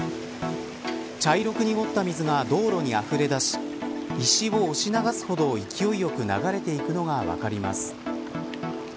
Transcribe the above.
茶色く濁った水が道路にあふれだし石をおし流すほど、勢いよく流れていくのが分かります。